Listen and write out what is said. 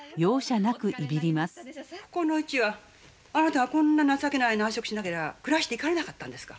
このうちはあなたがこんな情けない内職しなけりゃ暮らしていかれなかったんですか？